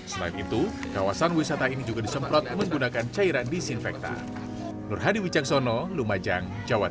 selain itu kawasan wisata ini juga disemprot menggunakan cairan disinfektan